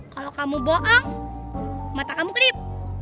kalau kamu bohong mata kamu kerip